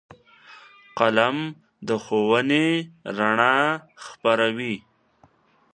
قلم د ښوونې رڼا خپروي